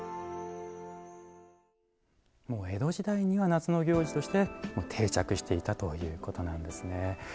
江戸時代には夏の行事として定着していたということなんですね。